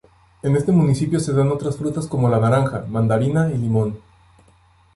En este municipio se dan otras frutas como la naranja, mandarina y limón.